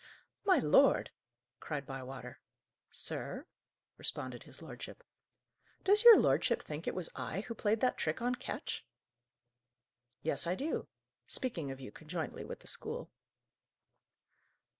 "My lord!" cried Bywater. "Sir!" responded his lordship. "Does your lordship think it was I who played that trick on Ketch?" "Yes, I do speaking of you conjointly with the school."